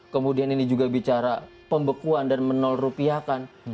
kemudian ini juga bicara pembekuan dan menorupiahkan